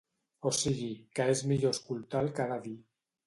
O sigui que és millor escoltar el que ha de dir.